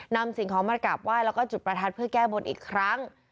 นำสิงค์ของมากลับว่ายแล้วก็จุดประทัดเพื่อแก้บนอีกครั้ง